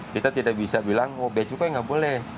kita tidak bisa bilang oh bea cukai nggak boleh